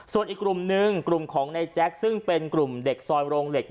ส่วนอีกกลุ่มนึงกลุ่มของในแจ็คซึ่งเป็นกลุ่มเด็กซอยโรงเหล็ก